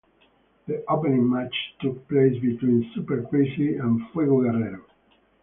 The opening match took place between Super Crazy and Fuego Guerrero.